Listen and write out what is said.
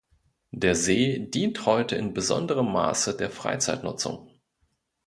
Der See dient heute in besonderem Maße der Freizeitnutzung.